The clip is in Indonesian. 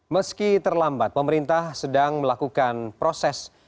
meski terlambat pemerintah sedang melakukan proses